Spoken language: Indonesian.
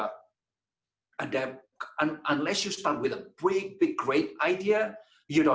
jika anda mulai dengan ide besar anda tidak mulai